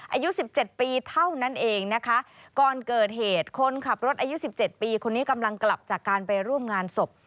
อายุสิบเจ็ดปีเท่านั้นเองนะคะก่อนเกิดเหตุคนขับรถอายุสิบเจ็ดปีคนนี้กำลังกลับจากการไปร่วมงานศพ